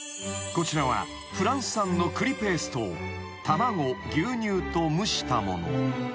［こちらはフランス産の栗ペーストを卵牛乳と蒸したもの］